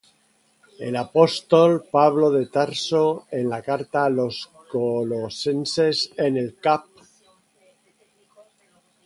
El Apóstol Pablo de Tarso en la carta a los Colosenses en el Cap.